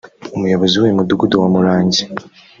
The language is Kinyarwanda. umuyobozi w’uyu mudugudu wa Murangi